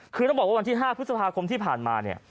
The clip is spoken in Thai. คือต้องบอกว่าวันที่๕พฤษภาคมที่ผ่านมาเนี่ย